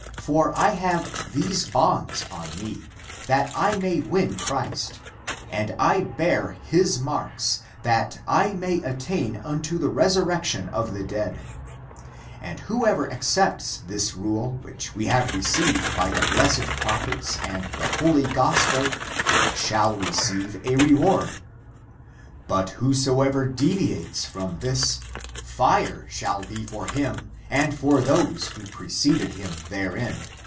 ^s 35. For I have these bonds on me, that I may win Christ, and I bear his marks, that I may attain unto the resurrection of the dead. 36. And whoever accepts this rule which we have received by the blessed prophets and the holy gospel, shall receive ^s a reward,37 37. But whosoever deviates from this, fire shall be for him and for those who preceded him therein.